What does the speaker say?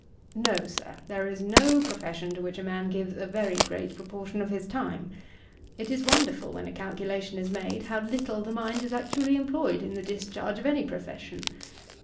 No, Sir; there is no profession to which a man gives a very great proportion of his time. It is wonderful, when a calculation is made, how little the mind is actually employed in the discharge of any profession.